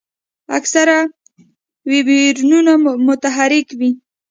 اکثره ویبریونونه متحرک وي.